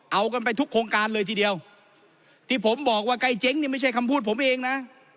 เอากันไปทุกโครงการเลยทีเดียวที่ผมบอกว่าใกล้เจ๊งนี่ไม่ใช่คำพูดผมเองนะ